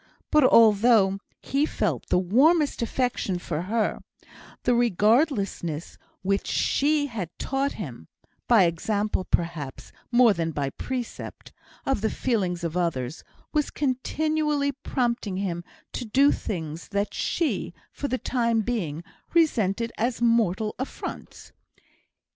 But although he felt the warmest affection for her, the regardlessness which she had taught him (by example, perhaps, more than by precept) of the feelings of others, was continually prompting him to do things that she, for the time being, resented as mortal affronts.